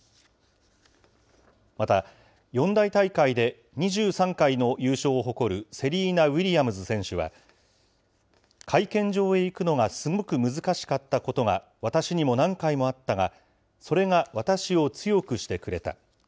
また、四大大会で２３回の優勝を誇るセリーナ・ウィリアムズ選手は、会見場へ行くのがすごく難しかったことが私にも何回もあったが、それが私を強くしてくれた。